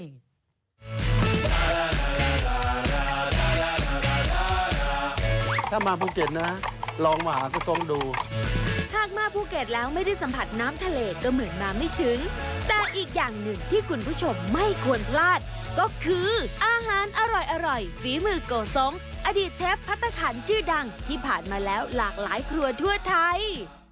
ถ้ามาภูเก็ตนะลองมาหาผู้ทรงดูหากมาภูเก็ตแล้วไม่ได้สัมผัสน้ำทะเลก็เหมือนมาไม่ถึงแต่อีกอย่างหนึ่งที่คุณผู้ชมไม่ควรพลาดก็คืออาหารอร่อยฝีมือโกสงอดีตเชฟพัฒนาขันชื่อดังที่ผ่านมาแล้วหลากหลายครัวทั่วไทย